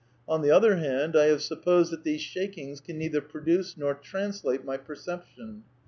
On the other hand, I have sup posed that these shakings can neither produce nor translate my perception.